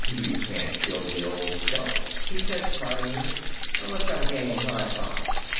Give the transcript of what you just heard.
"You can't kill the old scout," he said, smilingly. "Let's have a game of high five."